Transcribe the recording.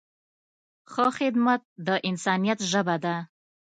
ښه خدمت د انسانیت ژبه ده.